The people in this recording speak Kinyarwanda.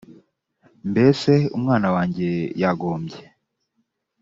mbese umwana wanjye yagombye